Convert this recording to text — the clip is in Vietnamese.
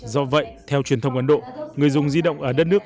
do vậy theo truyền thông ấn độ người dùng di động ở đất nước